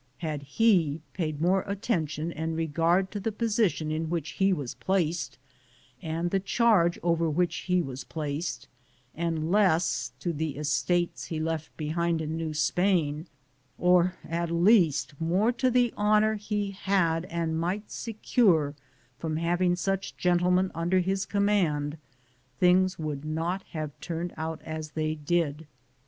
Had he paid more attention and regard to the posi tion in which he was placed and the charge over which he was placed, and less to the estates he left behind in New Spain, or, at least, more to the honor he had and might secure from having such gentlemen under his command, things would not have turned out as they did.